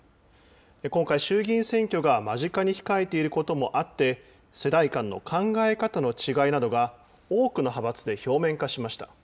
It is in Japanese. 今回、衆議院選挙が間近に控えていることもあって、世代間の考え方の違いなどが、多くの派閥で表面化しました。